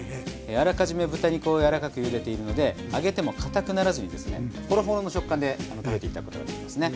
あらかじめ豚肉をやわらかくゆでているので揚げてもかたくならずにですねほろほろの食感で食べて頂くことができますね。